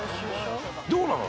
どうなの？